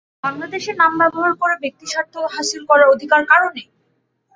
বাংলাদেশের নাম ব্যবহার করে ব্যক্তি স্বার্থ হাসিল করার অধিকার কারও নেই।